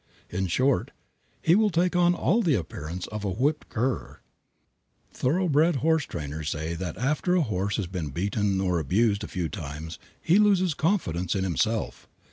In short, he will take on all the appearance of a "whipped cur." Thoroughbred horse trainers say that after a horse has been beaten or abused a few times he loses confidence in himself.